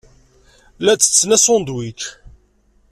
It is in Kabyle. La ttetten asandwic.